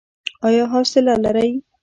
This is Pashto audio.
ایا حوصله لرئ؟